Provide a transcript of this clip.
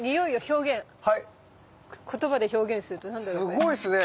すごいっすね。